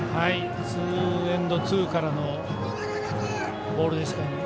ツーエンドツーからのボールですが。